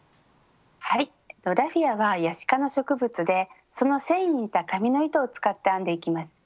はいラフィアはヤシ科の植物でその繊維に似た紙の糸を使って編んでいきます。